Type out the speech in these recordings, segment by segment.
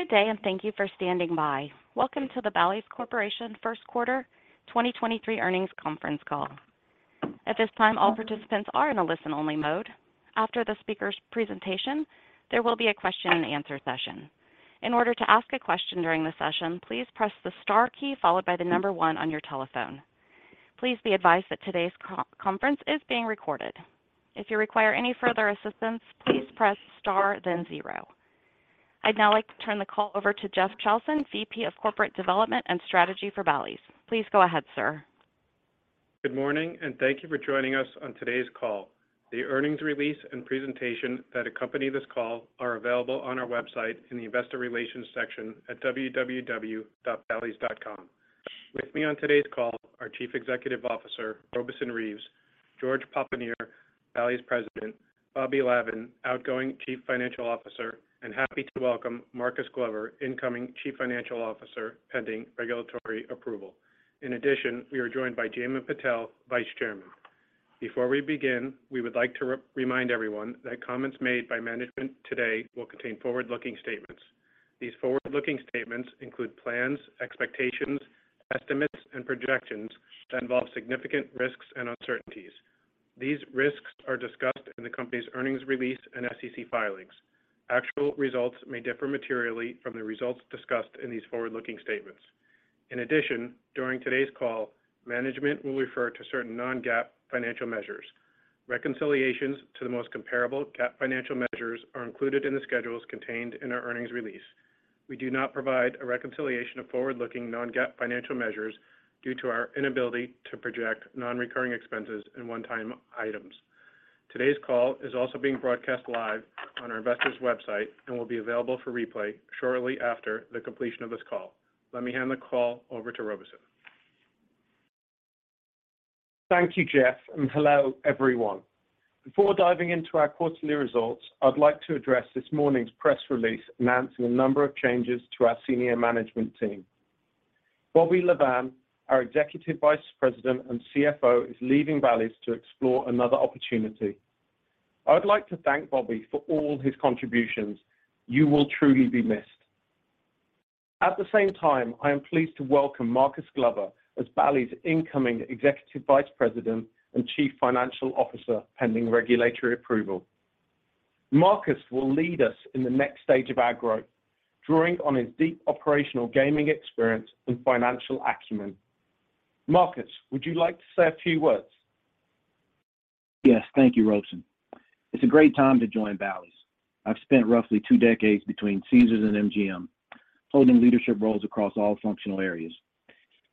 Good day. Thank you for standing by. Welcome to the Bally's Corporation First Quarter 2023 Earnings Conference Call. At this time, all participants are in a listen-only mode. After the speaker's presentation, there will be a question and answer session. In order to ask a question during the session, please press the star key followed by one on your telephone. Please be advised that today's conference is being recorded. If you require any further assistance, please press star then zero. I'd now like to turn the call over to Jeff Chalson, VP of Corporate Development and Strategy for Bally's. Please go ahead, sir. Good morning, and thank you for joining us on today's call. The earnings release and presentation that accompany this call are available on our website in the Investor Relations section at www.ballys.com. With me on today's call are Chief Executive Officer, Robeson Reeves, George Papanier, Bally's President, Bobby Lavan, outgoing Chief Financial Officer, and happy to welcome Marcus Glover, incoming Chief Financial Officer, pending regulatory approval. In addition, we are joined by Jamin Patel, Vice Chairman. Before we begin, we would like to re-remind everyone that comments made by management today will contain forward-looking statements. These forward-looking statements include plans, expectations, estimates, and projections that involve significant risks and uncertainties. These risks are discussed in the company's earnings release and SEC filings. Actual results may differ materially from the results discussed in these forward-looking statements. In addition, during today's call, management will refer to certain non-GAAP financial measures. Reconciliations to the most comparable GAAP financial measures are included in the schedules contained in our earnings release. We do not provide a reconciliation of forward-looking non-GAAP financial measures due to our inability to project non-recurring expenses and one-time items. Today's call is also being broadcast live on our investors website and will be available for replay shortly after the completion of this call. Let me hand the call over to Robeson. Thank you, Jeff. Hello, everyone. Before diving into our quarterly results, I'd like to address this morning's press release announcing a number of changes to our senior management team. Bobby Lavan, our Executive Vice President and CFO, is leaving Bally's to explore another opportunity. I would like to thank Bobby for all his contributions. You will truly be missed. At the same time, I am pleased to welcome Marcus Glover as Bally's incoming Executive Vice President and Chief Financial Officer, pending regulatory approval. Marcus will lead us in the next stage of our growth, drawing on his deep operational gaming experience and financial acumen. Marcus, would you like to say a few words? Yes. Thank you, Robeson. It's a great time to join Bally's. I've spent roughly two decades between Caesars and MGM, holding leadership roles across all functional areas.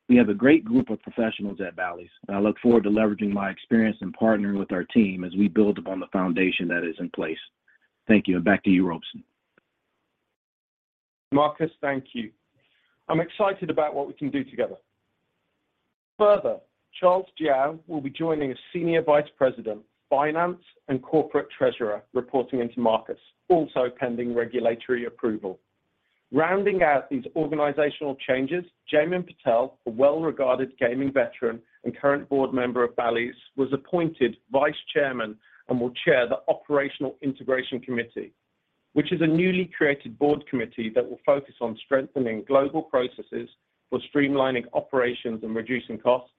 We have a great group of professionals at Bally's, and I look forward to leveraging my experience and partnering with our team as we build upon the foundation that is in place. Thank you, and back to you, Robeson. Marcus, thank you. I'm excited about what we can do together. Charles Jiao will be joining as Senior Vice President, Finance and Corporate Treasurer, reporting into Marcus, also pending regulatory approval. Rounding out these organizational changes, Jamin Patel, a well-regarded gaming veteran and current board member of Bally's, was appointed Vice Chairman and will chair the Operational Integration Committee, which is a newly created board committee that will focus on strengthening global processes for streamlining operations and reducing costs,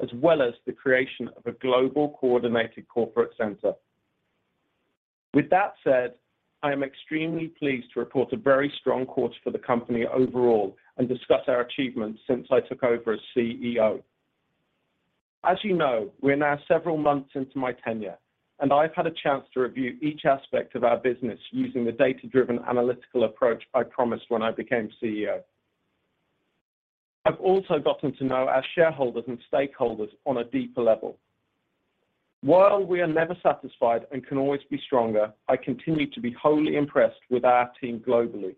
as well as the creation of a global coordinated corporate center. With that said, I am extremely pleased to report a very strong quarter for the company overall and discuss our achievements since I took over as CEO. As you know, we're now several months into my tenure, and I've had a chance to review each aspect of our business using the data-driven analytical approach I promised when I became CEO. I've also gotten to know our shareholders and stakeholders on a deeper level. While we are never satisfied and can always be stronger, I continue to be wholly impressed with our team globally.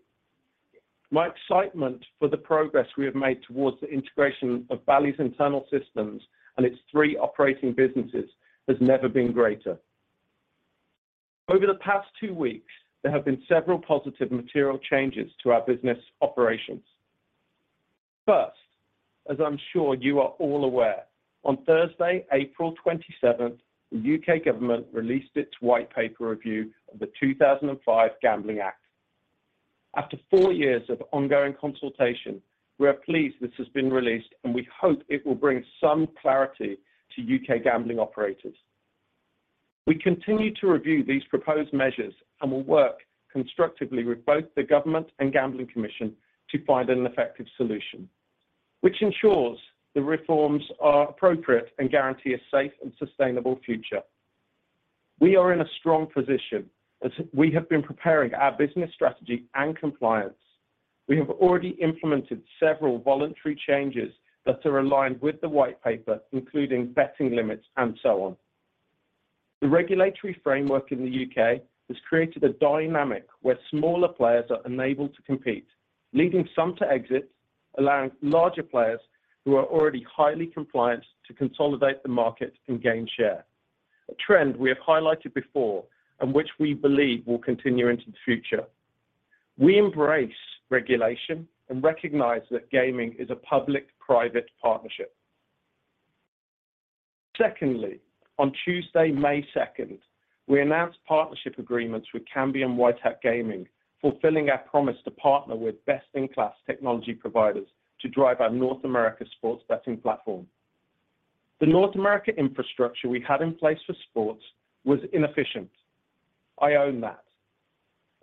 My excitement for the progress we have made towards the integration of Bally's internal systems and its three operating businesses has never been greater. Over the past two weeks, there have been several positive material changes to our business operations. First, as I'm sure you are all aware, on Thursday, April 27th, the U.K. government released its White Paper review of the 2005 Gambling Act. After four years of ongoing consultation, we are pleased this has been released, and we hope it will bring some clarity to U.K. gambling operators. We continue to review these proposed measures and will work constructively with both the government and Gambling Commission to find an effective solution which ensures the reforms are appropriate and guarantee a safe and sustainable future. We are in a strong position as we have been preparing our business strategy and compliance. We have already implemented several voluntary changes that are aligned with the White Paper, including betting limits and so on. The regulatory framework in the U.K. has created a dynamic where smaller players are unable to compete, leaving some to exit, allowing larger players who are already highly compliant to consolidate the market and gain share. A trend we have highlighted before and which we believe will continue into the future. We embrace regulation and recognize that gaming is a public-private partnership. Secondly, on Tuesday, May second, we announced partnership agreements with Kambi and White Hat Gaming, fulfilling our promise to partner with best-in-class technology providers to drive our North America sports betting platform. The North America infrastructure we had in place for sports was inefficient. I own that.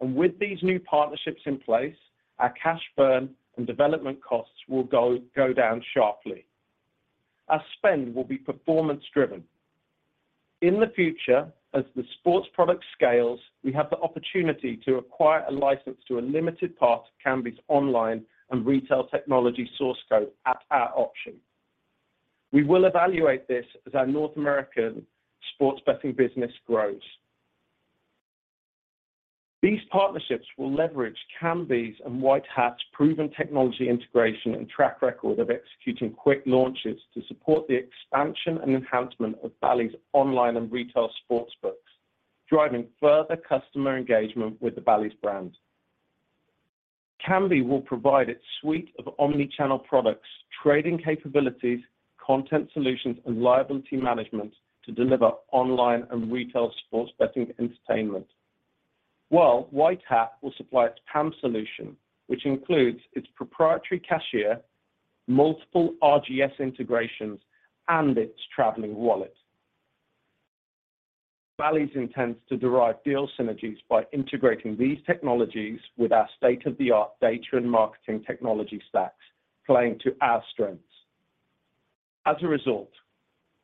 With these new partnerships in place, our cash burn and development costs will go down sharply. Our spend will be performance driven. In the future, as the sports product scales, we have the opportunity to acquire a license to a limited part of Kambi's online and retail technology source code at our option. We will evaluate this as our North American sports betting business grows. These partnerships will leverage Kambi's and White Hat's proven technology integration and track record of executing quick launches to support the expansion and enhancement of Bally's online and retail sportsbooks, driving further customer engagement with the Bally's brand. Kambi will provide its suite of omni-channel products, trading capabilities, content solutions, and liability management to deliver online and retail sports betting entertainment. While White Hat will supply its PAM solution, which includes its proprietary cashier, multiple RGS integrations, and its traveling wallet. Bally's intends to derive deal synergies by integrating these technologies with our state-of-the-art data and marketing technology stacks, playing to our strengths. As a result,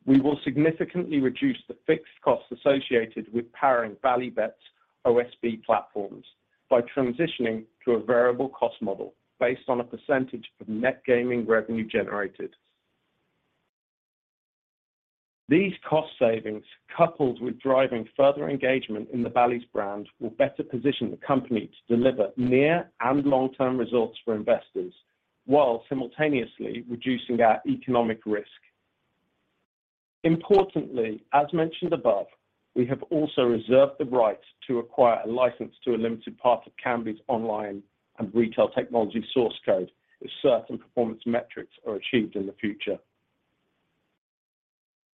we will significantly reduce the fixed costs associated with powering Bally Bet's OSB platforms by transitioning to a variable cost model based on a percentage of net gaming revenue generated. These cost savings, coupled with driving further engagement in the Bally's brand, will better position the company to deliver near and long-term results for investors while simultaneously reducing our economic risk. Importantly, as mentioned above, we have also reserved the right to acquire a license to a limited part of Kambi's online and retail technology source code if certain performance metrics are achieved in the future.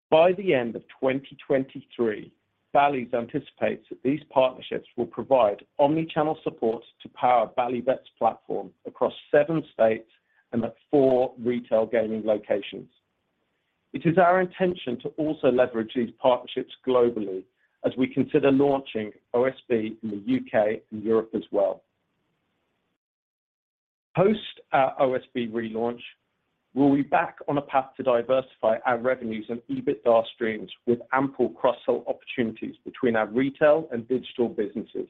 By the end of 2023, Bally's anticipates that these partnerships will provide omni-channel support to power Bally Bet's platform across seven states and at four retail gaming locations. It is our intention to also leverage these partnerships globally as we consider launching OSB in the U.K. and Europe as well. Post our OSB relaunch, we'll be back on a path to diversify our revenues and EBITDA streams with ample cross-sell opportunities between our retail and digital businesses.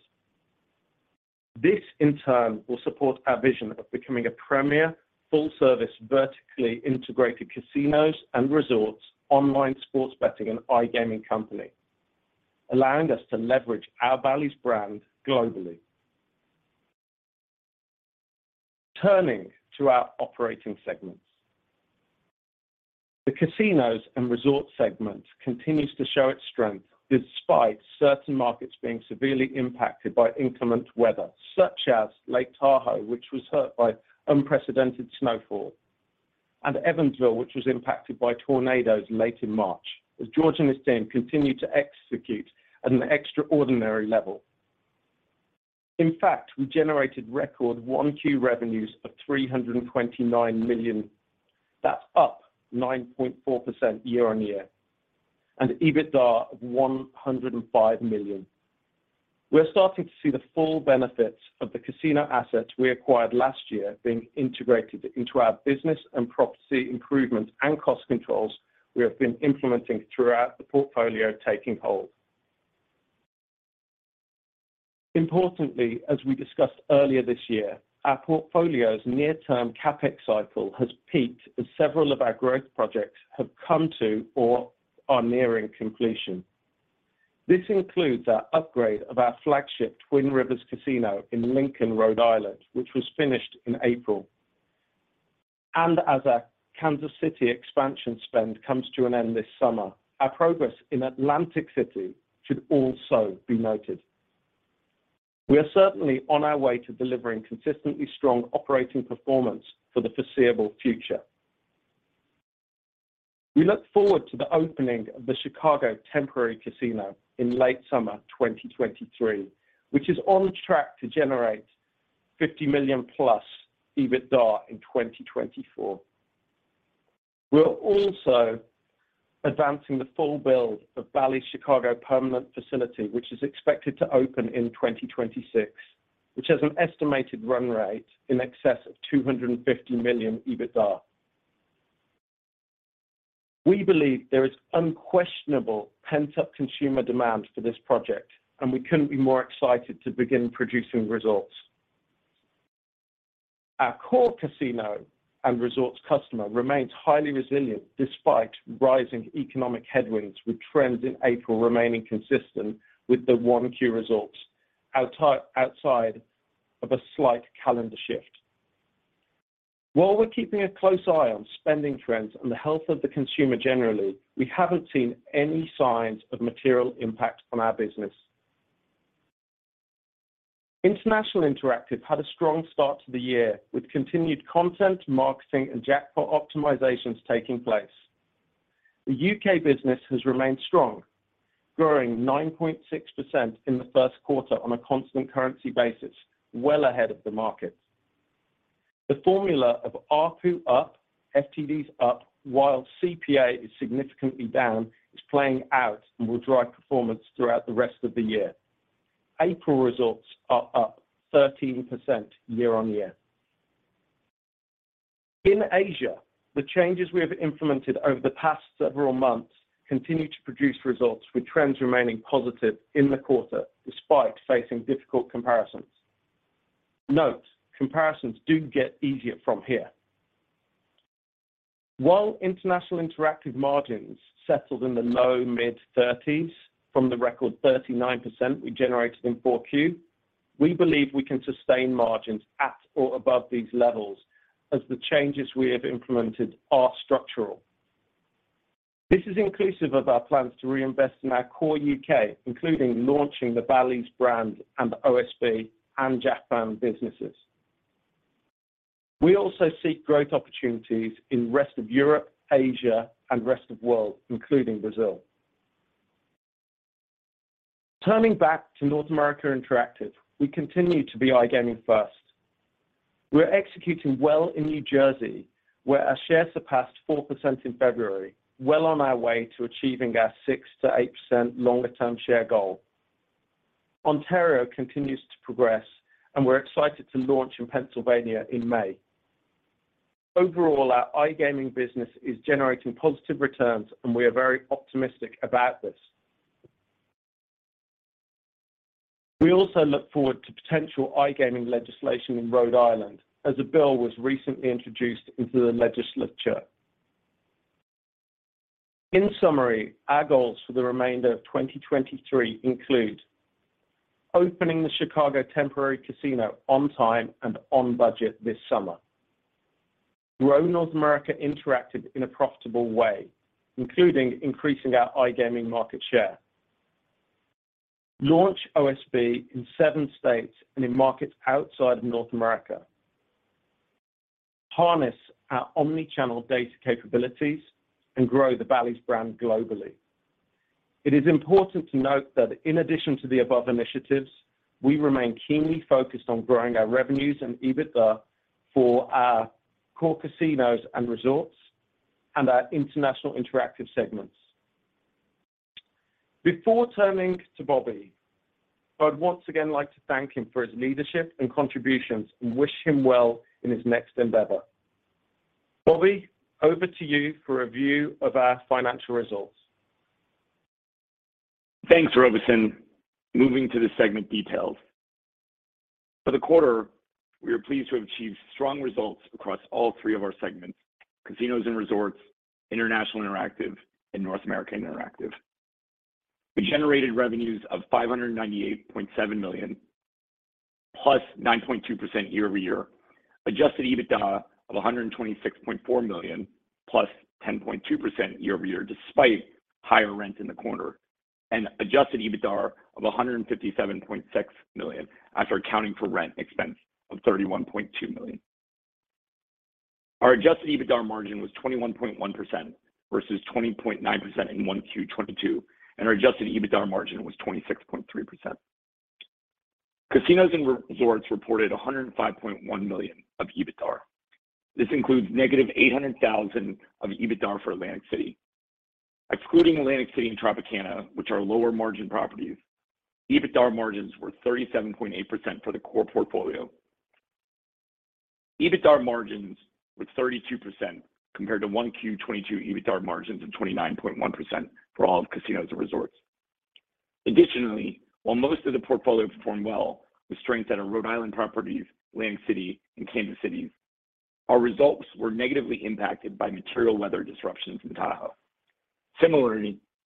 This, in turn, will support our vision of becoming a premier, full-service, vertically integrated casinos and resorts, online sports betting, and iGaming company, allowing us to leverage our Bally's brand globally. Turning to our operating segments. The casinos and resorts segment continues to show its strength despite certain markets being severely impacted by inclement weather, such as Lake Tahoe, which was hurt by unprecedented snowfall, and Evansville, which was impacted by tornadoes late in March, as George and his team continued to execute at an extraordinary level. In fact, we generated record 1Q revenues of $329 million. That's up 9.4% year-on-year, and EBITDA of $105 million. We're starting to see the full benefits of the casino assets we acquired last year being integrated into our business and property improvements and cost controls we have been implementing throughout the portfolio taking hold. Importantly, as we discussed earlier this year, our portfolio's near-term CapEx cycle has peaked as several of our growth projects have come to or are nearing completion. This includes our upgrade of our flagship Twin Rivers Casino in Lincoln, Rhode Island, which was finished in April. As our Kansas City expansion spend comes to an end this summer, our progress in Atlantic City should also be noted. We are certainly on our way to delivering consistently strong operating performance for the foreseeable future. We look forward to the opening of the Chicago temporary casino in late summer 2023, which is on track to generate $50 million+ EBITDA in 2024. We're also advancing the full build of Bally's Chicago permanent facility, which is expected to open in 2026, which has an estimated run rate in excess of $250 million EBITDA. We believe there is unquestionable pent-up consumer demand for this project. We couldn't be more excited to begin producing results. Our core casino and resorts customer remains highly resilient despite rising economic headwinds, with trends in April remaining consistent with the 1Q results outside of a slight calendar shift. While we're keeping a close eye on spending trends and the health of the consumer generally, we haven't seen any signs of material impact on our business. International Interactive had a strong start to the year with continued content, marketing, and jackpot optimizations taking place. The UK business has remained strong, growing 9.6% in the first quarter on a constant currency basis, well ahead of the market. The formula of ARPU up, FTDs up while CPA is significantly down is playing out and will drive performance throughout the rest of the year. April results are up 13% year-on-year. In Asia, the changes we have implemented over the past several months continue to produce results with trends remaining positive in the quarter despite facing difficult comparisons. Note, comparisons do get easier from here. While International Interactive margins settled in the low mid-thirties from the record 39% we generated in 4Q, we believe we can sustain margins at or above these levels as the changes we have implemented are structural. This is inclusive of our plans to reinvest in our core U.K., including launching the Bally's brand and OSB and Japan businesses. We also seek growth opportunities in rest of Europe, Asia, and rest of world, including Brazil. Turning back to North America Interactive, we continue to be iGaming first. We're executing well in New Jersey, where our share surpassed 4% in February, well on our way to achieving our 6%-8% longer term share goal. Ontario continues to progress, and we're excited to launch in Pennsylvania in May. Overall, our iGaming business is generating positive returns, and we are very optimistic about this. We also look forward to potential iGaming legislation in Rhode Island as a bill was recently introduced into the legislature. In summary, our goals for the remainder of 2023 include opening the Chicago temporary casino on time and on budget this summer. Grow North America Interactive in a profitable way, including increasing our iGaming market share. Launch OSB in seven states and in markets outside of North America. Harness our omni-channel data capabilities and grow the Bally's brand globally. It is important to note that in addition to the above initiatives, we remain keenly focused on growing our revenues and EBITDA for our core casinos and resorts and our international interactive segments. Before turning to Bobby, I'd once again like to thank him for his leadership and contributions and wish him well in his next endeavor. Bobby, over to you for review of our financial results. Thanks, Robeson. Moving to the segment details. For the quarter, we are pleased to have achieved strong results across all three of our segments, Casinos and Resorts, International Interactive, and North America Interactive. We generated revenues of $598.7 million +9.2% year-over-year. Adjusted EBITDA of $126.4 million +10.2% year-over-year, despite higher rent in the quarter, and adjusted EBITDAR of $157.6 million after accounting for rent expense of $31.2 million. Our adjusted EBITDAR margin was 21.1% versus 20.9% in 1Q 22, and our adjusted EBITDAR margin was 26.3%. Casinos and Resorts reported $105.1 million of EBITDAR. This includes -$800,000 of EBITDAR for Atlantic City. Excluding Atlantic City and Tropicana, which are lower margin properties, EBITDAR margins were 37.8% for the core portfolio. EBITDAR margins were 32% compared to 1Q 2022 EBITDAR margins of 29.1% for all of casinos and resorts. While most of the portfolio performed well with strength at our Rhode Island properties, Land City and Kansas City, our results were negatively impacted by material weather disruptions in Tahoe.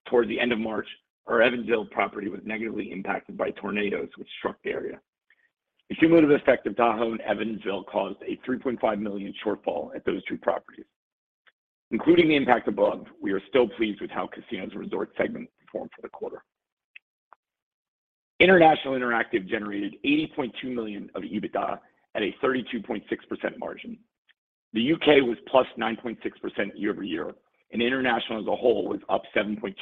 Towards the end of March, our Evansville property was negatively impacted by tornadoes which struck the area. The cumulative effect of Tahoe and Evansville caused a $3.5 million shortfall at those two properties. Including the impact above, we are still pleased with how casinos and resort segment performed for the quarter. International Interactive generated $80.2 million of EBITDA at a 32.6% margin. The U.K. was +9.6% year-over-year, and international as a whole was up 7.2%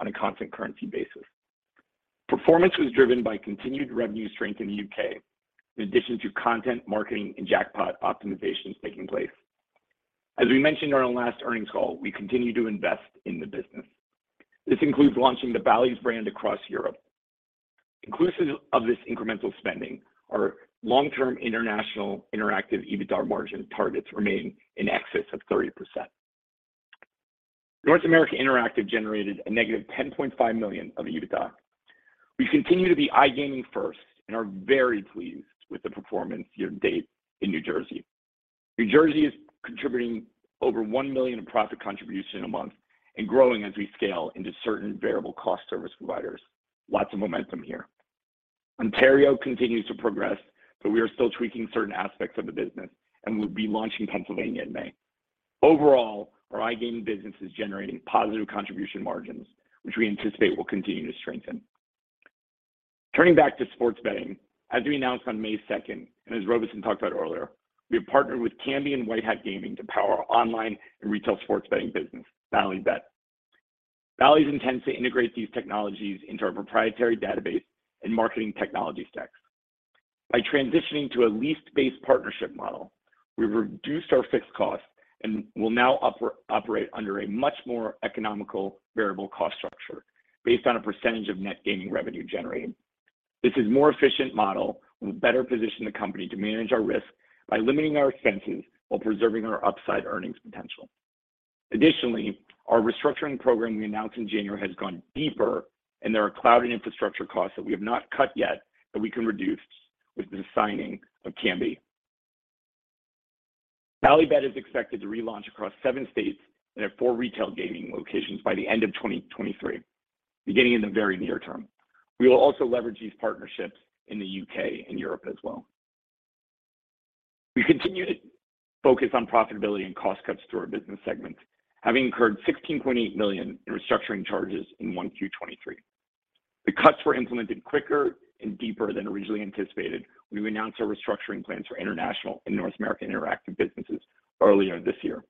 on a constant currency basis. Performance was driven by continued revenue strength in the U.K., in addition to content, marketing, and jackpot optimizations taking place. As we mentioned on our last earnings call, we continue to invest in the business. This includes launching the Bally's brand across Europe. Inclusive of this incremental spending, our long-term International Interactive EBITDAR margin targets remain in excess of 30%. North America Interactive generated -$10.5 million of EBITDA. We continue to be iGaming first and are very pleased with the performance year-to-date in New Jersey. New Jersey is contributing over $1 million in profit contribution a month and growing as we scale into certain variable cost service providers. Lots of momentum here. Ontario continues to progress, but we are still tweaking certain aspects of the business and will be launching Pennsylvania in May. Overall, our iGaming business is generating positive contribution margins, which we anticipate will continue to strengthen. Turning back to sports betting, as we announced on May 2, and as Robeson talked about earlier, we have partnered with Kambi and White Hat Gaming to power our online and retail sports betting business, Bally Bet. Bally intends to integrate these technologies into our proprietary database and marketing technology stacks. By transitioning to a lease-based partnership model, we've reduced our fixed costs and will now operate under a much more economical variable cost structure based on a percentage of net gaming revenue generated. This is more efficient model and will better position the company to manage our risk by limiting our expenses while preserving our upside earnings potential. Our restructuring program we announced in January has gone deeper, and there are cloud and infrastructure costs that we have not cut yet that we can reduce with the signing of Kambi. Bally Bet is expected to relaunch across seven states and at four retail gaming locations by the end of 2023, beginning in the very near term. We will also leverage these partnerships in the U.K. and Europe as well. We continue to focus on profitability and cost cuts to our business segments, having incurred $16.8 million in restructuring charges in 1Q 2023. The cuts were implemented quicker and deeper than originally anticipated. We've announced our restructuring plans for international and North American interactive businesses earlier this year.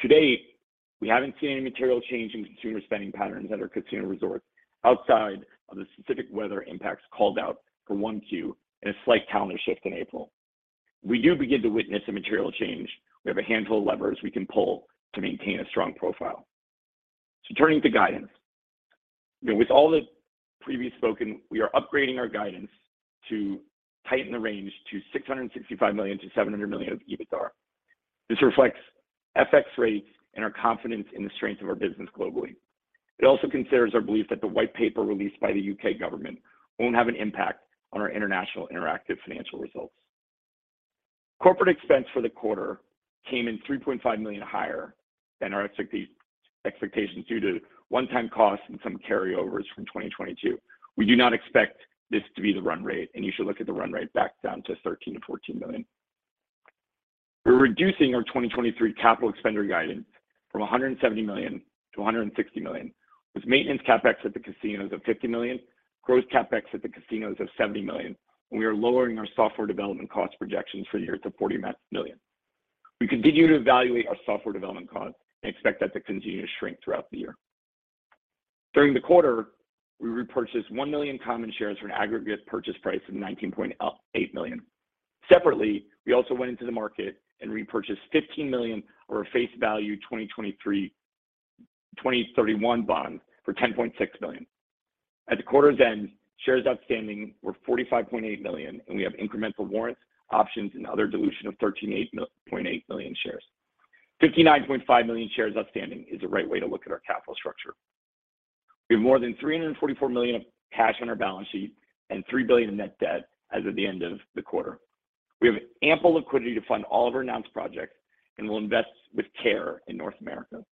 To date, we haven't seen any material change in consumer spending patterns at our casinos and resorts outside of the specific weather impacts called out for 1Q and a slight calendar shift in April. If we do begin to witness a material change, we have a handful of levers we can pull to maintain a strong profile. Turning to guidance. You know, with all the previously spoken, we are upgrading our guidance to tighten the range to $665 million-$700 million of EBITDAR. This reflects FX rates and our confidence in the strength of our business globally. It also considers our belief that the White Paper released by the U.K. government won't have an impact on our International Interactive financial results. Corporate expense for the quarter came in $3.5 million higher than our expectations due to one-time costs and some carryovers from 2022. We do not expect this to be the run rate. You should look at the run rate back down to $13 million-$14 million. We're reducing our 2023 capital expenditure guidance from $170 million-$160 million, with maintenance CapEx at the casinos of $50 million, gross CapEx at the casinos of $70 million. We are lowering our software development cost projections for the year to $40 million. We continue to evaluate our software development costs and expect that to continue to shrink throughout the year. During the quarter, we repurchased 1 million common shares for an aggregate purchase price of $19.8 million. Separately, we also went into the market and repurchased $15 million of our face value 2031 bonds for $10.6 million. At the quarter's end, shares outstanding were 45.8 million, and we have incremental warrants, options, and other dilution of 13.8 million shares. 59.5 million shares outstanding is the right way to look at our capital structure. We have more than $344 million of cash on our balance sheet and $3 billion in net debt as of the end of the quarter. We have ample liquidity to fund all of our announced projects and will invest with care in North America.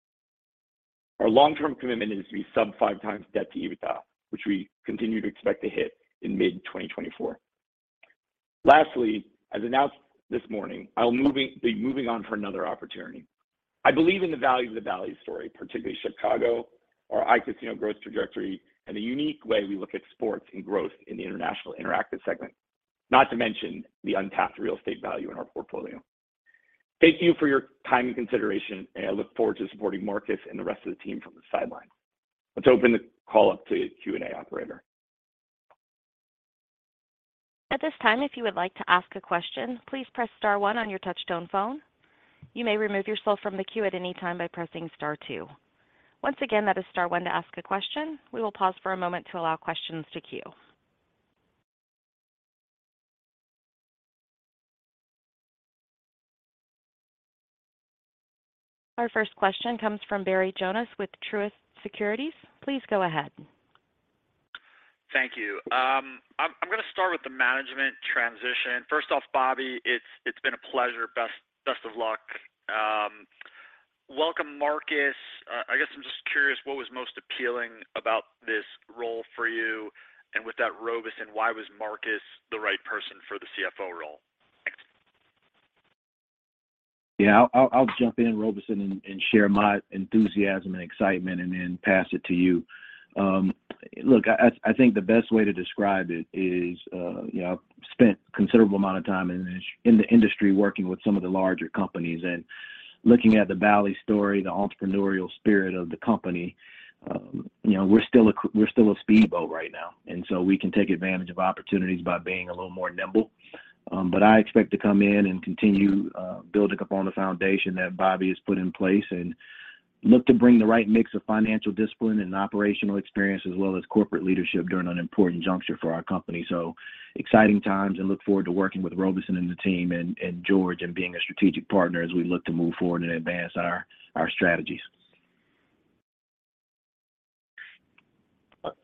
Our long-term commitment is to be sub 5x debt to EBITDAR, which we continue to expect to hit in mid-2024. Lastly, as announced this morning, I'll be moving on for another opportunity. I believe in the value of the Bally's story, particularly Chicago, our iCasino growth trajectory, and the unique way we look at sports and growth in the International Interactive segment, not to mention the untapped real estate value in our portfolio. Thank you for your time and consideration, I look forward to supporting Marcus and the rest of the team from the sideline. Let's open the call up to Q&A operator. At this time, if you would like to ask a question, please press star one on your touch-tone phone. You may remove yourself from the queue at any time by pressing star two. Once again, that is star one to ask a question. We will pause for a moment to allow questions to queue. Our first question comes from Barry Jonas with Truist Securities. Please go ahead. Thank you. I'm gonna start with the management transition. First off, Bobby, it's been a pleasure. Best of luck. Welcome, Marcus. I guess I'm just curious, what was most appealing about this role for you? With that, Robeson, why was Marcus the right person for the CFO role? Thanks. I'll jump in, Robeson, and share my enthusiasm and excitement and then pass it to you. I think the best way to describe it is, you know, I've spent a considerable amount of time in the industry working with some of the larger companies. Looking at the Bally's story, the entrepreneurial spirit of the company, you know, we're still a speedboat right now, and so we can take advantage of opportunities by being a little more nimble. I expect to come in and continue building upon the foundation that Bobby has put in place and look to bring the right mix of financial discipline and operational experience as well as corporate leadership during an important juncture for our company. exciting times and look forward to working with Robeson and the team and George Papanier in being a strategic partner as we look to move forward and advance our strategies.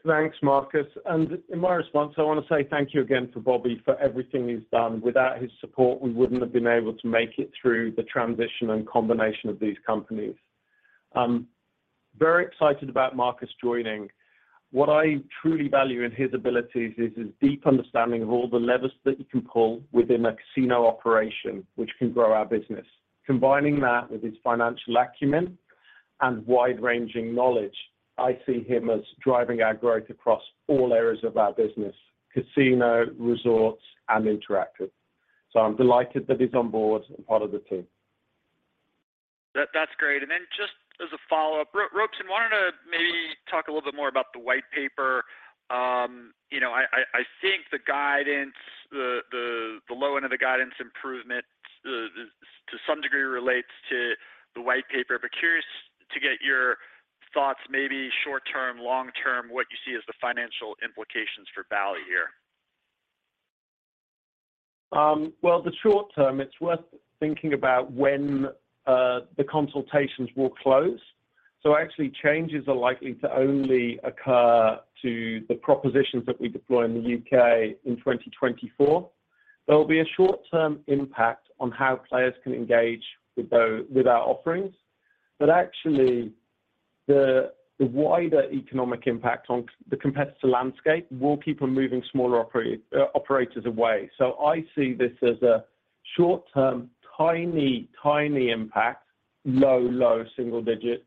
Thanks, Marcus Glover. In my response, I wanna say thank you again to Bobby Lavan for everything he's done. Without his support, we wouldn't have been able to make it through the transition and combination of these companies. Very excited about Marcus Glover joining. What I truly value in his abilities is his deep understanding of all the levers that you can pull within a casino operation which can grow our business. Combining that with his financial acumen and wide-ranging knowledge, I see him as driving our growth across all areas of our business, casino, resorts, and interactive. I'm delighted that he's on board and part of the team. That's great. Then just as a follow-up, Robeson, wanted to maybe talk a little bit more about the White Paper. You know, I think the guidance, the low end of the guidance improvement, to some degree relates to the White Paper, but curious to get your thoughts maybe short term, long term, what you see as the financial implications for Bally's here. Well, the short term, it's worth thinking about when the consultations will close. Actually, changes are likely to only occur to the propositions that we deploy in the UK in 2024. There will be a short-term impact on how players can engage with our offerings. Actually, the wider economic impact on the competitor landscape will keep on moving smaller operators away. I see this as a short term, tiny impact, low, low single digits,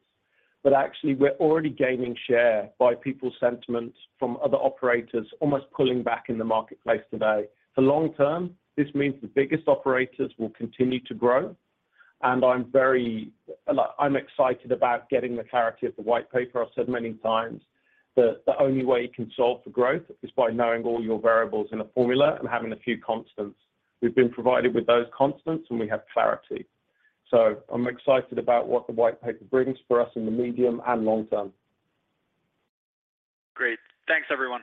but actually we're already gaining share by people's sentiments from other operators almost pulling back in the marketplace today. Long term, this means the biggest operators will continue to grow, and I'm very excited about getting the clarity of the White Paper. I've said many times the only way you can solve for growth is by knowing all your variables in a formula and having a few constants. We've been provided with those constants, and we have clarity. I'm excited about what the White Paper brings for us in the medium and long term. Great. Thanks, everyone.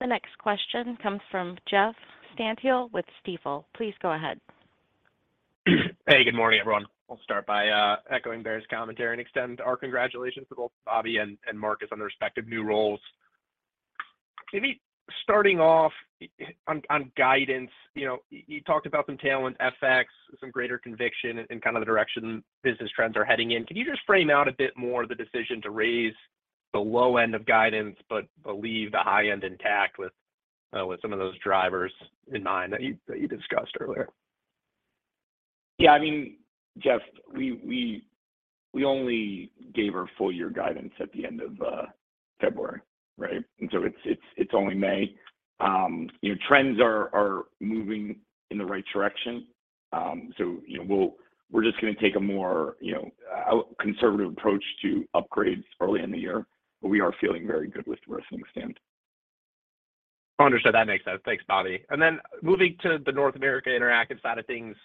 The next question comes from Jeffrey Stantial with Stifel. Please go ahead. Good morning, everyone. I'll start by echoing Barry's commentary and extend our congratulations to both Bobby and Marcus on their respective new roles. Starting off on guidance, you know, you talked about some tailwind FX, some greater conviction in, kind of the direction business trends are heading in. Can you just frame out a bit more the decision to raise the low end of guidance but believe the high end intact with some of those drivers in mind that you discussed earlier? Yeah. I mean, Jeff, we only gave our full year guidance at the end of February, right? It's only May. You know, trends are moving in the right direction. You know, we're just gonna take a more, you know, conservative approach to upgrades early in the year, but we are feeling very good with where things stand. Understood. That makes sense. Thanks, Bobby. Moving to the North America Interactive side of things,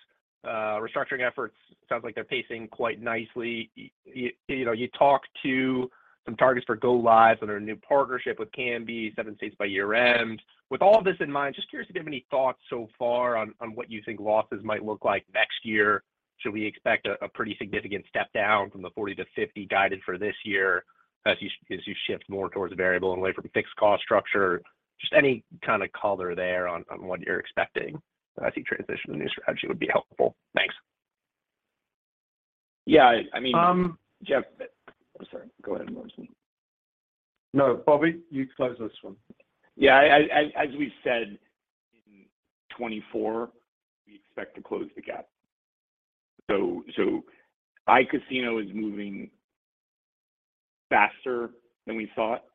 restructuring efforts, sounds like they're pacing quite nicely. You know, you talked to some targets for go lives under a new partnership with Kambi, 7 states by year-end. With all this in mind, just curious if you have any thoughts so far on what you think losses might look like next year. Should we expect a pretty significant step down from the 40 to 50 guided for this year as you shift more towards variable and away from fixed cost structure? Just any kind of color there on what you're expecting as you transition to the new strategy would be helpful. Thanks. Yeah, I mean. Um- Jeff-- I'm sorry. Go ahead, Robeson. No, Bobby, you close this one. Yeah. As we've said, in 2024, we expect to close the gap. iCasino is moving faster than we thought.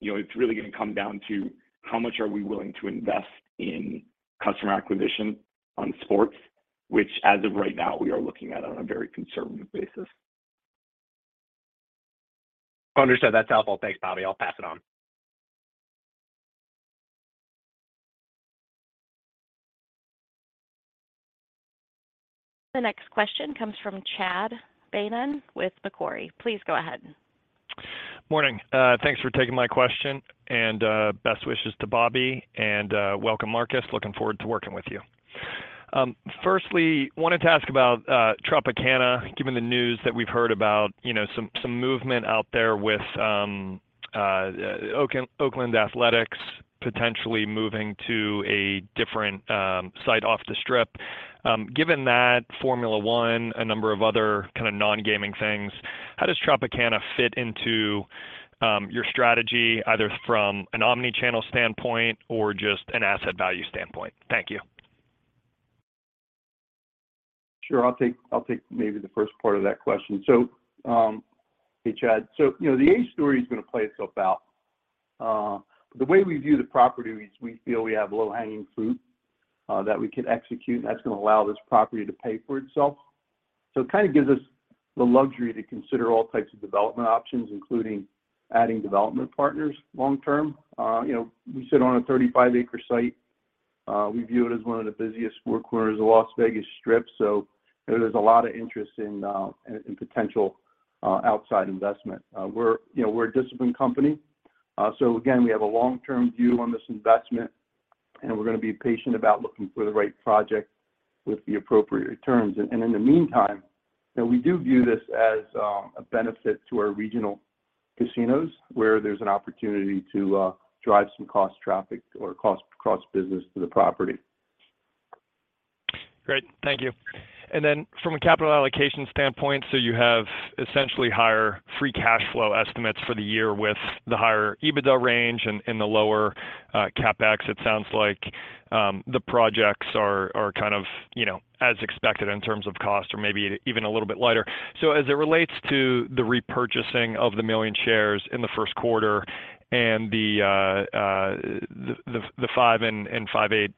You know, it's really gonna come down to how much are we willing to invest in customer acquisition on sports, which as of right now, we are looking at on a very conservative basis. Understood. That's helpful. Thanks, Bobby. I'll pass it on. The next question comes from Chad Beynon with Macquarie. Please go ahead. Morning. Thanks for taking my question, and best wishes to Bobby and welcome Marcus. Looking forward to working with you. Firstly, wanted to ask about Tropicana, given the news that we've heard about, you know, some movement out there with Oakland Athletics potentially moving to a different site off the strip. Given that Formula 1, a number of other kind of non-gaming things, how does Tropicana fit into your strategy, either from an omni-channel standpoint or just an asset value standpoint? Thank you. Sure. I'll take maybe the first part of that question. Hey, Chad. You know, the A story is gonna play itself out. The way we view the property is we feel we have low-hanging fruit that we can execute, and that's gonna allow this property to pay for itself. It kind of gives us the luxury to consider all types of development options, including adding development partners long term. You know, we sit on a 35 acre site. We view it as one of the busiest four corners of Las Vegas Strip, so there's a lot of interest in potential outside investment. We're, you know, we're a disciplined company. Again, we have a long-term view on this investment, and we're gonna be patient about looking for the right project with the appropriate terms. In the meantime. We do view this as a benefit to our regional casinos where there's an opportunity to drive some cost traffic or cost-cross business to the property. Great. Thank you. From a capital allocation standpoint, you have essentially higher free cash flow estimates for the year with the higher EBITDA range and the lower CapEx. It sounds like the projects are kind of, you know, as expected in terms of cost or maybe even a little bit lighter. As it relates to the repurchasing of the 1 million shares in the 1st quarter and the 5 and 7/8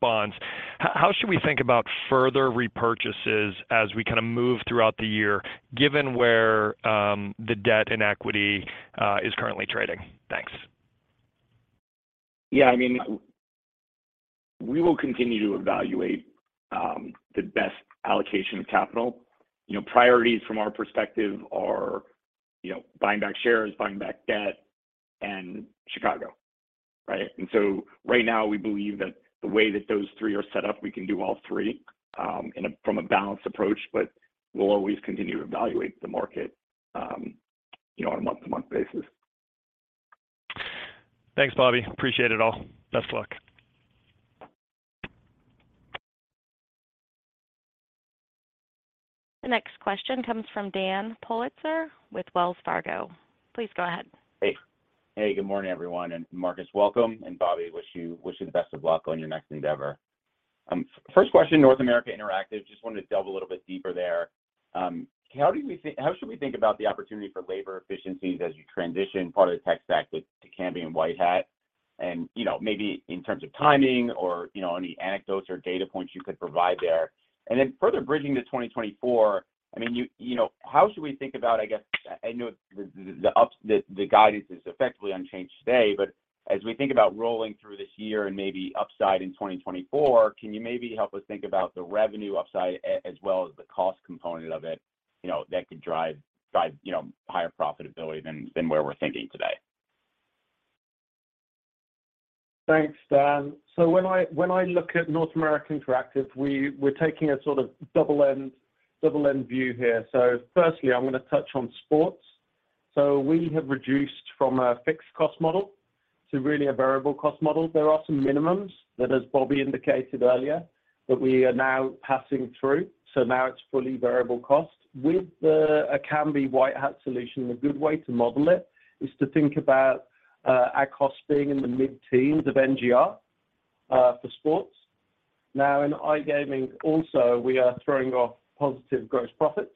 bonds, how should we think about further repurchases as we kind of move throughout the year given where the debt and equity is currently trading? Thanks. Yeah, I mean, we will continue to evaluate the best allocation of capital. You know, priorities from our perspective are, you know, buying back shares, buying back debt, and Chicago, right? Right now, we believe that the way that those three are set up, we can do all three from a balanced approach. We'll always continue to evaluate the market, you know, on a month-to-month basis. Thanks, Bobby. Appreciate it all. Best luck. The next question comes from Dan Politzer with Wells Fargo. Please go ahead. Hey. Hey, good morning, everyone. Marcus, welcome. Bobby, wish you the best of luck on your next endeavor. First question, North America Interactive. Just wanted to delve a little bit deeper there. How should we think about the opportunity for labor efficiencies as you transition part of the tech stack with the Kambi and White Hat? You know, maybe in terms of timing or, you know, any anecdotes or data points you could provide there. Further bridging to 2024, I mean, you know, how should we think about, I guess, I know the guidance is effectively unchanged today, but as we think about rolling through this year and maybe upside in 2024, can you maybe help us think about the revenue upside as well as the cost component of it, you know, that could drive, you know, higher profitability than where we're thinking today? Thanks, Dan. When I look at North America Interactive, we're taking a sort of double end view here. Firstly, I'm gonna touch on sports. We have reduced from a fixed cost model to really a variable cost model. There are some minimums that, as Bobby indicated earlier, that we are now passing through. Now it's fully variable cost. With the Kambi White Hat solution, a good way to model it is to think about our cost being in the mid-teens of NGR for sports. Now in iGaming also, we are throwing off positive gross profits,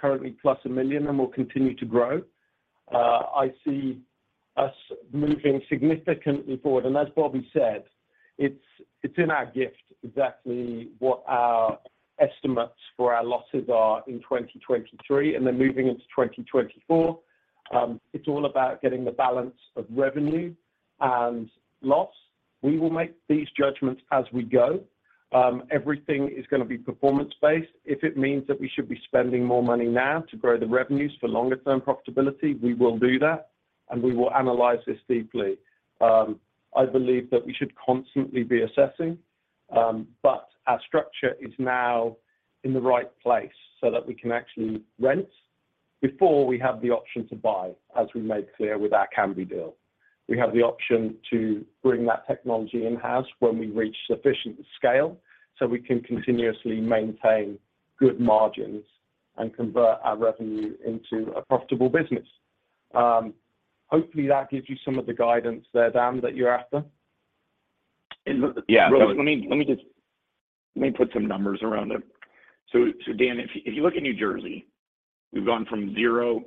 currently +$1 million, and we'll continue to grow. I see us moving significantly forward, and as Bobby said, it's in our gift exactly what our estimates for our losses are in 2023, and then moving into 2024. It's all about getting the balance of revenue and loss. We will make these judgments as we go. Everything is gonna be performance-based. If it means that we should be spending more money now to grow the revenues for longer term profitability, we will do that, and we will analyze this deeply. I believe that we should constantly be assessing, but our structure is now in the right place so that we can actually rent before we have the option to buy, as we made clear with our Kambi deal. We have the option to bring that technology in-house when we reach sufficient scale, so we can continuously maintain good margins and convert our revenue into a profitable business. Hopefully, that gives you some of the guidance there, Dan, that you're after. Yeah. Let me put some numbers around it. Dan, if you look at New Jersey, we've gone from 0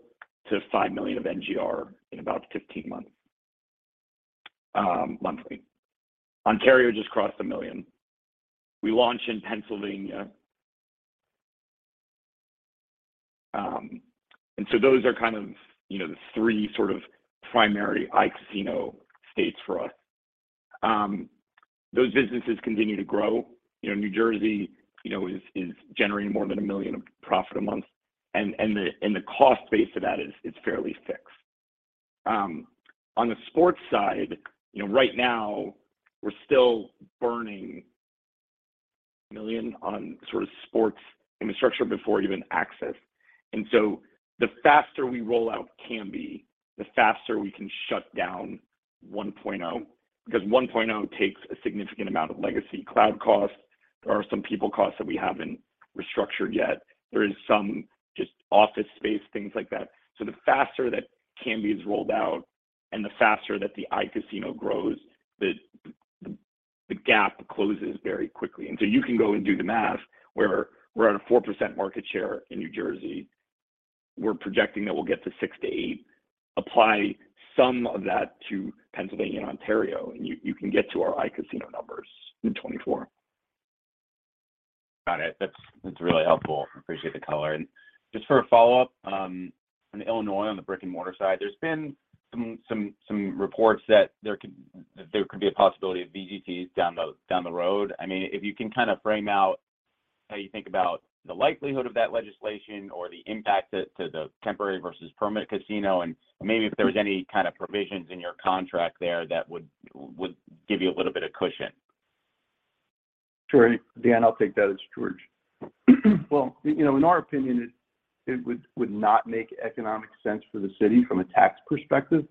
to $5 million of NGR in about 15 months, monthly. Ontario just crossed $1 million. We launched in Pennsylvania. Those are kind of, you know, the three sort of primary iCasino states for us. Those businesses continue to grow. You know, New Jersey, you know, is generating more than $1 million of profit a month, and the cost base of that is fairly fixed. On the sports side, you know, right now we're still burning $1 million on sort of sports infrastructure before even access. The faster we roll out Kambi, the faster we can shut down 1.0, because 1.0 takes a significant amount of legacy cloud costs. There are some people costs that we haven't restructured yet. There is some just office space, things like that. The faster that Kambi is rolled out and the faster that the iCasino grows, the gap closes very quickly. You can go and do the math where we're at a 4% market share in New Jersey. We're projecting that we'll get to 6%-8%. Apply some of that to Pennsylvania and Ontario, and you can get to our iCasino numbers in 2024. Got it. That's really helpful. I appreciate the color. Just for a follow-up, in Illinois, on the brick-and-mortar side, there's been some reports that there could be a possibility of VGTs down the road. I mean, if you can kind of frame out how you think about the likelihood of that legislation or the impact to the temporary versus permanent casino, and maybe if there was any kind of provisions in your contract there that would give you a little bit of cushion? Sure, Dan, I'll take that. It's George. Well, you know, in our opinion, it would not make economic sense for the city from a tax perspective.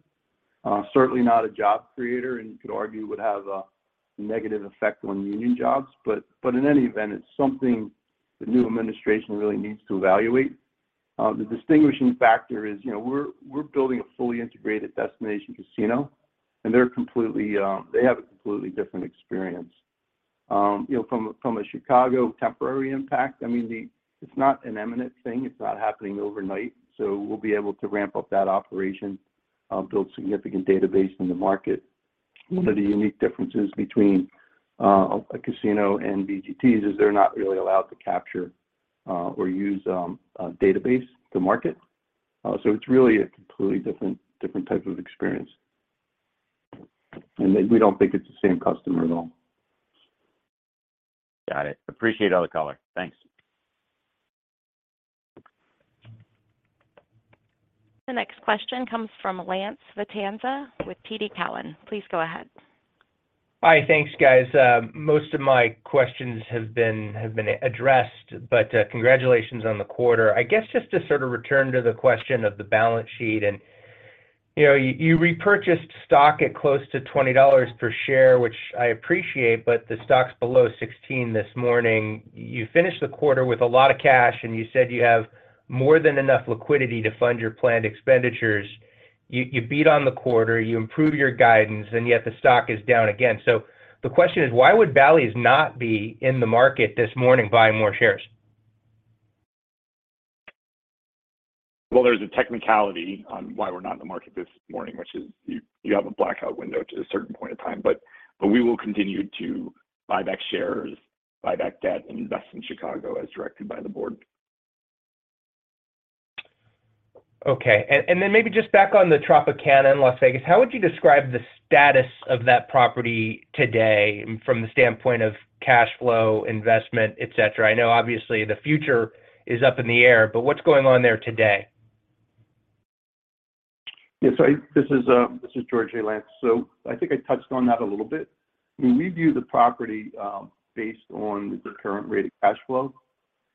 Certainly not a job creator, and you could argue would have a negative effect on union jobs. In any event, it's something the new administration really needs to evaluate. The distinguishing factor is, you know, we're building a fully integrated destination casino, and they're completely, they have a completely different experience. You know, from a Chicago temporary impact, I mean, it's not an eminent thing, it's not happening overnight, so we'll be able to ramp up that operation, build significant database in the market. One of the unique differences between a casino and VGTs is they're not really allowed to capture or use a database to market. It's really a completely different type of experience. We don't think it's the same customer at all. Got it. Appreciate all the color. Thanks. The next question comes from Lance Vitanza with TD Cowen. Please go ahead. Hi. Thanks, guys. Most of my questions have been addressed, but congratulations on the quarter. I guess just to sort of return to the question of the balance sheet and, you know, you repurchased stock at close to $20 per share, which I appreciate, but the stock's below $16 this morning. You finished the quarter with a lot of cash, and you said you have more than enough liquidity to fund your planned expenditures. You beat on the quarter, you improved your guidance, and yet the stock is down again. The question is, why would Bally's not be in the market this morning buying more shares? Well, there's a technicality on why we're not in the market this morning, which is you have a blackout window to a certain point of time. We will continue to buy back shares, buy back debt, and invest in Chicago as directed by the board. Okay. Maybe just back on the Tropicana in Las Vegas, how would you describe the status of that property today from the standpoint of cash flow, investment, et cetera? I know obviously the future is up in the air, but what's going on there today? Yeah, this is George, hey, Lance. I think I touched on that a little bit. I mean, we view the property, based on the current rate of cash flow,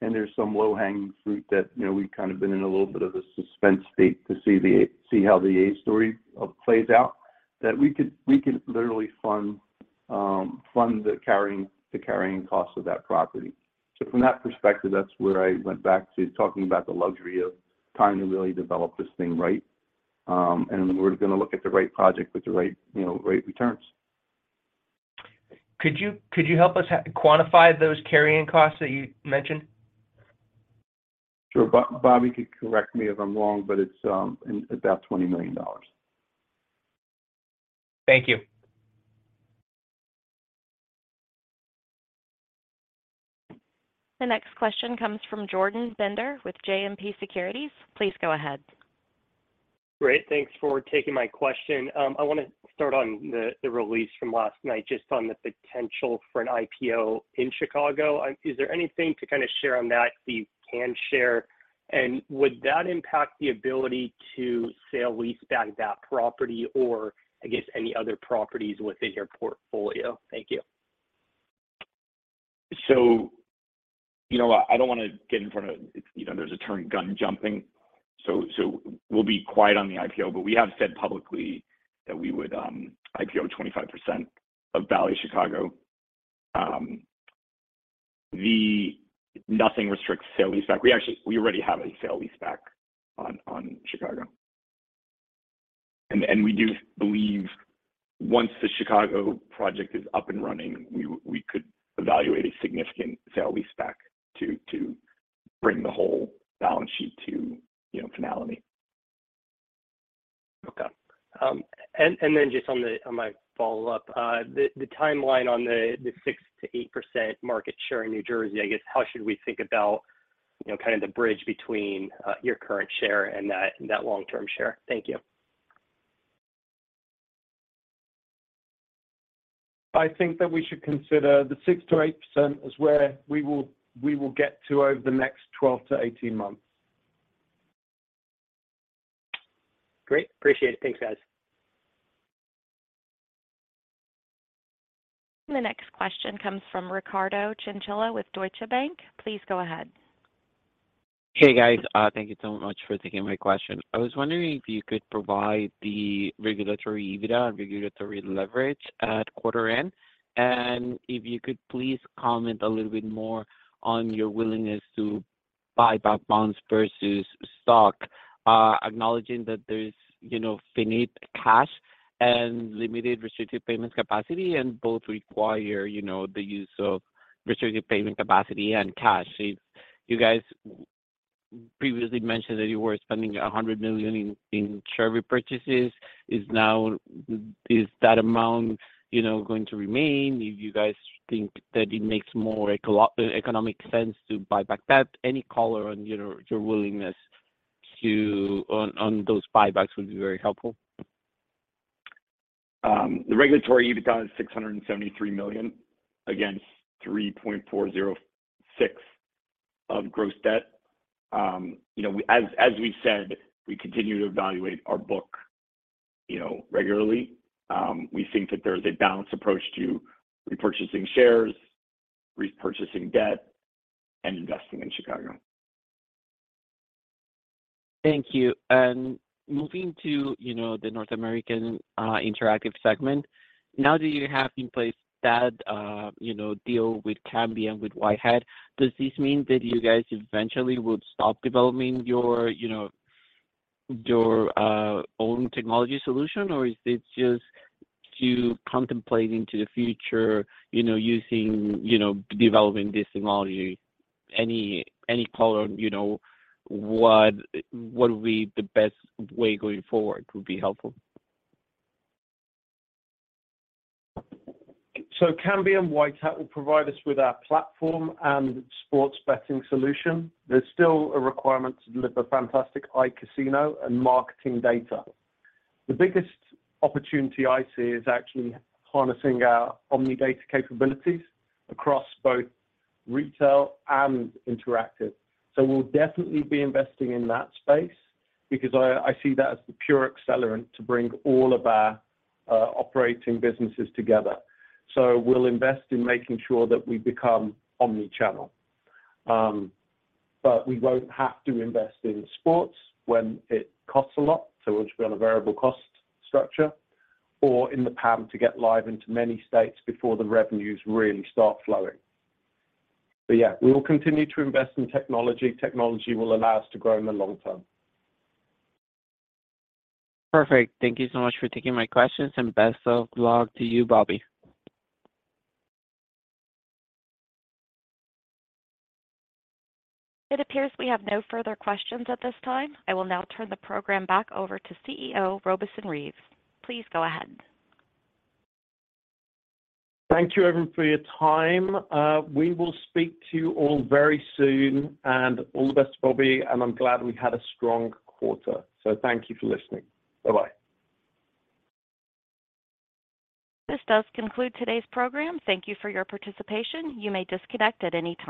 and there's some low-hanging fruit that, you know, we've kind of been in a little bit of a suspense state to see how the A story plays out, that we could literally fund the carrying cost of that property. From that perspective, that's where I went back to talking about the luxury of time to really develop this thing right. And we're gonna look at the right project with the right, you know, right returns. Could you help us quantify those carrying costs that you mentioned? Sure. Bobby could correct me if I'm wrong, but it's, in about $20 million. Thank you. The next question comes from Jordan Bender with JMP Securities. Please go ahead. Great. Thanks for taking my question. I wanna start on the release from last night, just on the potential for an IPO in Chicago. Is there anything to kind of share on that if you can share? Would that impact the ability to sale leaseback that property or I guess any other properties within your portfolio? Thank you. you know what, I don't wanna get in front of, you know, there's a term gun jumping, we'll be quiet on the IPO. We have said publicly that we would IPO 25% of Bally's Chicago. Nothing restricts sale leaseback. We already have a sale leaseback on Chicago. We do believe once the Chicago project is up and running, we could evaluate a significant sale leaseback to bring the whole balance sheet to, you know, finality. Okay. Then just on my follow-up, the timeline on the 6%-8% market share in New Jersey, I guess, how should we think about, you know, kind of the bridge between your current share and that long-term share? Thank you. I think that we should consider the 6%-8% as where we will get to over the next 12-18 months. Great. Appreciate it. Thanks, guys. The next question comes from Ricardo Chinchilla with Deutsche Bank. Please go ahead. Hey, guys. Thank you so much for taking my question. I was wondering if you could provide the regulatory EBITDA and regulatory leverage at quarter end. If you could please comment a little bit more on your willingness to buy back bonds versus stock, acknowledging that there's, you know, finite cash and limited restricted payments capacity and both require, you know, the use of restricted payment capacity and cash. If you guys previously mentioned that you were spending $100 million in share repurchases. Is that amount, you know, going to remain? If you guys think that it makes more economic sense to buy back debt, any color on your willingness on those buybacks would be very helpful. The regulatory EBITDA is $673 million against $3.406 of gross debt. You know, as we've said, we continue to evaluate our book You know, regularly. We think that there's a balanced approach to repurchasing shares, repurchasing debt, and investing in Chicago. Thank you. Moving to, you know, the North America Interactive segment. Now that you have in place that, you know, deal with Kambi, with White Hat Gaming, does this mean that you guys eventually would stop developing your, you know, your own technology solution? Is this just to contemplate into the future, you know, using, you know, developing this technology? Any color on, you know, what would be the best way going forward would be helpful. Kambi White Hat will provide us with our platform and sports betting solution. There's still a requirement to deliver fantastic iCasino and marketing data. The biggest opportunity I see is actually harnessing our Omnidata capabilities across both retail and interactive. We'll definitely be investing in that space because I see that as the pure accelerant to bring all of our operating businesses together. We'll invest in making sure that we become omni-channel. We won't have to invest in sports when it costs a lot, so it'll just be on a variable cost structure, or in the PAM to get live into many states before the revenues really start flowing. Yeah, we will continue to invest in technology. Technology will allow us to grow in the long term. Perfect. Thank you so much for taking my questions, and best of luck to you, Bobby. It appears we have no further questions at this time. I will now turn the program back over to CEO Robeson Reeves. Please go ahead. Thank you, everyone, for your time. We will speak to you all very soon. All the best, Bobby, and I'm glad we had a strong quarter. Thank you for listening. Bye-bye. This does conclude today's program. Thank you for your participation. You may disconnect at any time.